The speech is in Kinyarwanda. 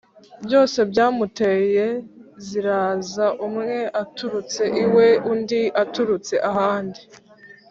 byose byamuteye ziraza umwe aturutse iwe undi aturutse ahandi